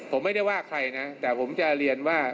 ผมไม่ได้ว่าใครนะแต่ผมจะเรียนว่า